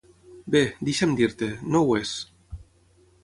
Bé, deixa'm dir-te, no ho és!